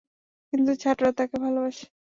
কিন্তু ছাত্ররা তাকে ভালোবাসে।